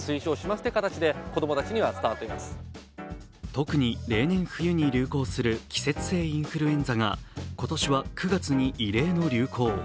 特に例年冬に流行する季節性インフルエンザが今年は９月に異例の流行。